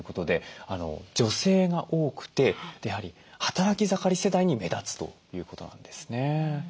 女性が多くてやはり働き盛り世代に目立つということなんですね。